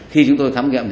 khi chúng tôi thám nghiệm